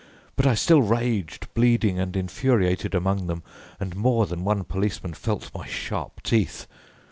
But I still raged, bleeding and infuriated among them, and more than one policeman felt my sharp teeth.